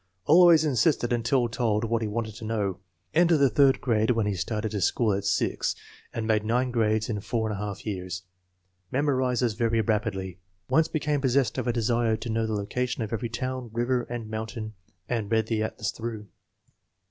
Al ways insisted until told what he wanted to know. En tered the third grade when he started to school at 6, and made nine grades in four and a half years. Memo rizes very rapidly. Once became possessed of a desire to know the location of every town, river, and mountain FORTY ONE SUPERIOR CHILDREN 235 and read the atlas through.